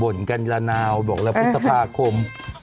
บ่นกันละนาวบอกแล้วพุทธภาคม